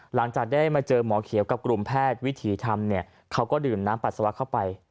หลังจากได้มาเจอหมอเขียวกับกลุ่มแพทย์วิถีธรรมเนี่ยเขาก็ดื่มน้ำปัสสาวะเข้าไป